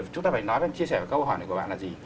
chúng ta phải nói chia sẻ câu hỏi này của bạn là gì